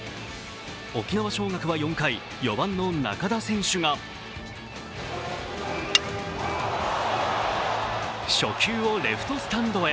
沖縄尚学は４回、４番の仲田選手が初球をレフトスタンドへ。